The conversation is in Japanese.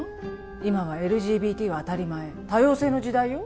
今はＬＧＢＴは当たり前多様性の時代よ